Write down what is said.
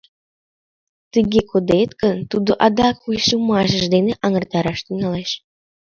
Тыге кодет гын, тудо адак вуйшиймашыж дене аҥыртараш тӱҥалеш.